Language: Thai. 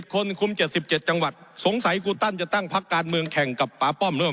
คนคุม๗๗จังหวัดสงสัยครูตั้นจะตั้งพักการเมืองแข่งกับป๊าป้อมร่วม